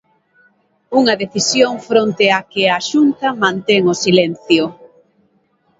Unha decisión fronte á que a Xunta mantén o silencio.